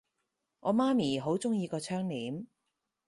我媽咪好鍾意個窗簾